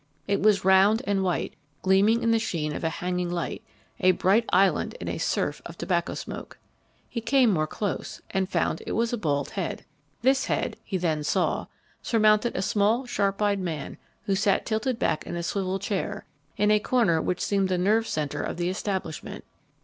It was round and white, gleaming in the sheen of a hanging light, a bright island in a surf of tobacco smoke. He came more close, and found it was a bald head. This head (he then saw) surmounted a small, sharp eyed man who sat tilted back in a swivel chair, in a corner which seemed the nerve centre of the establishment.